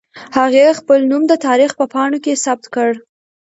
هغې خپل نوم د تاریخ په پاڼو کې ثبت کړ